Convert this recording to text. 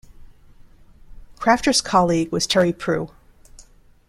Crafter's colleague was Terry Prue.